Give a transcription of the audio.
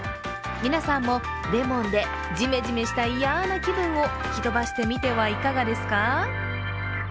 皆さんもレモンでジメジメした嫌な気分を吹き飛ばしてみてはいかがですか？